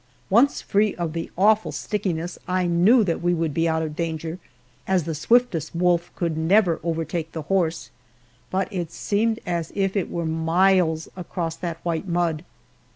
Once free of the awful stickiness, I knew that we would be out of danger, as the swiftest wolf could never overtake the horse but it seemed as if it were miles across that white mud.